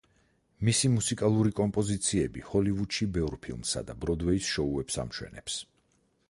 მისი მუსიკალური კომპოზიციები ჰოლივუდში ბევრ ფილმსა და ბროდვეის შოუებს ამშვენებს.